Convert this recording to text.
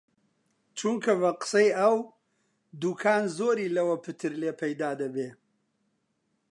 چونکە بە قسەی ئەو، دووکان زۆری لەوە پتر لێ پەیدا دەبێ